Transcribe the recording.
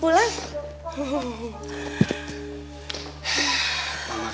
tukang widely ah sih